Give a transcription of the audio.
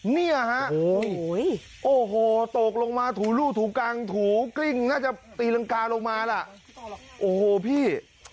เนี่ยฮะโอ้โหตกลงมาถูลูกถูกังถูกลิ้งน่าจะตีรังกาลงมาล่ะโอ้โหพี่